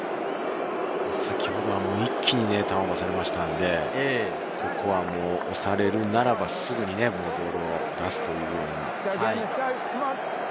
先ほどは一気にターンオーバーされましたので、ここは押されるなら、すぐにボールを出す。